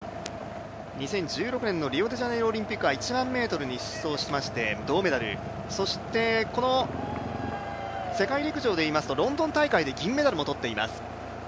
オリンピックでは２０１６年のリオデジャネイロオリンピックは１００００ｍに出走しまして銅メダルそしてこの世界陸上でいいますとロンドン大会で銀メダルも取っています。